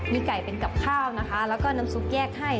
มีไก่เป็นกับข้าวนะคะแล้วก็น้ำซุปแยกให้